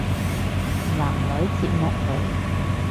男女節目嚟